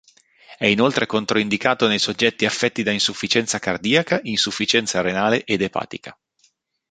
È inoltre controindicato nei soggetti affetti da insufficienza cardiaca, insufficienza renale ed epatica.